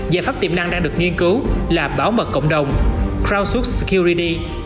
giải pháp tiềm năng đang được nghiên cứu là bảo mật cộng đồng crowdsource security